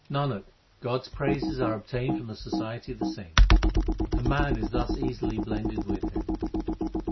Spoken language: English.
Nanak, God s praises are obtained from the society of the saints, and man is thus easily blended with Him.